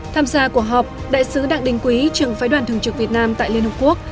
tham gia cuộc họp đại sứ đặng đình quý trưởng phái đoàn thường trực việt nam tại liên hợp quốc